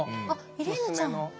イレーヌちゃん。